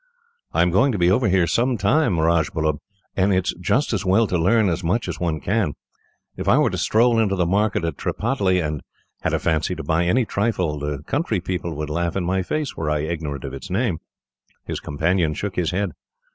"I am going to be over here some time, Rajbullub, and it is just as well to learn as much as one can. If I were to stroll into the market in Tripataly, and had a fancy to buy any trifle, the country people would laugh in my face, were I ignorant of its name." His companion shook his head.